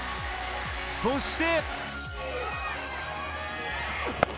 そして。